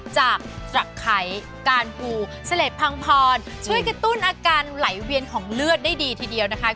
จากตระไขการปูเสล็ดพังพรช่วยกระตุ้นอาการไหลเวียนของเลือดได้ดีทีเดียวนะคะ